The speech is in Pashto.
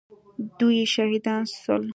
دوه يې شهيدان سول.